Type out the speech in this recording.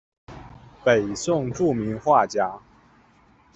北宋着名画家。